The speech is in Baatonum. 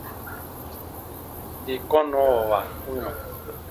Dii kɔnnɔwɔwa u yɔ̃.